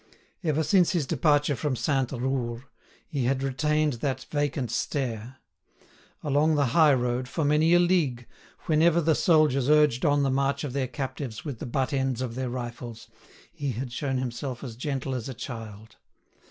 Ever since his departure from Sainte Roure, he had retained that vacant stare. Along the high road, for many a league, whenever the soldiers urged on the march of their captives with the butt ends of their rifles, he had shown himself as gentle as a child.